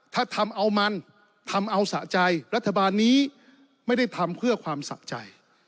ถ้าทำเอามันทำเอาสะใจรัฐบาลนี้ไม่ได้ทำเพื่อความสะใจ